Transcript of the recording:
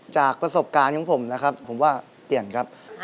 จากประสบการณ์ของผมนะครับผมว่าเปลี่ยนครับ